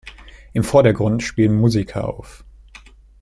Im Vordergrund spielen Musiker auf.